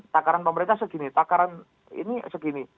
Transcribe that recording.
takaran pemerintah segini takaran ini segini